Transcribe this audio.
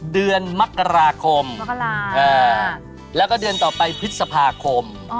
เดือนมกราคมแล้วก็เดือนต่อไปพฤษภาคม